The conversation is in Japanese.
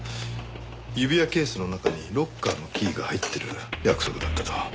指輪ケースの中にロッカーのキーが入ってる約束だったと。